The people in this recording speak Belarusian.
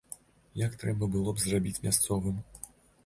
Як трэба было б зрабіць мясцовым.